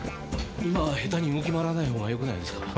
今下手に動き回らないほうがよくないですか？